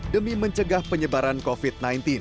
demi mencegah penyebaran covid sembilan belas